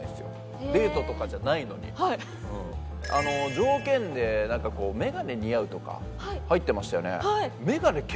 条件でなんか「メガネ似合う」とか入ってましたよね。